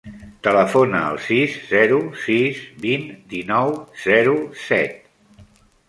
Telefona al sis, zero, sis, vint, dinou, zero, set.